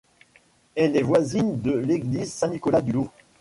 Elle était voisine de l'église Saint-Nicolas-du-Louvre.